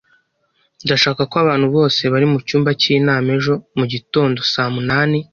Ndashaka ko abantu bose bari mucyumba cy'inama ejo mugitondo saa munani